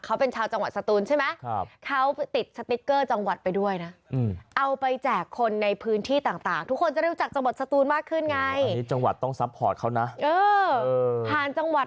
เขาเป็นชาวจังหวัดสตูนใช่ไหมครับเขาติดสติ๊กเกอร์จังหวัดไปด้วยนะ